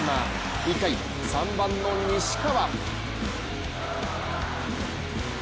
１回、３番の西川。